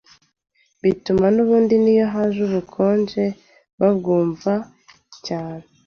bituma n’ubundi n’iyo haje ubukonje babwumva cyane